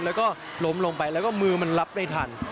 แล้วก็ล้มลงไปแล้วก็มือมันรับได้ทัน